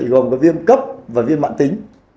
gồm có viêm cấp và viêm mạng tính